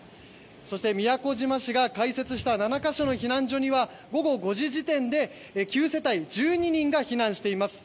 そして、宮古島市が開設した７か所の避難所には午後５時時点で９世帯１２人が避難しています。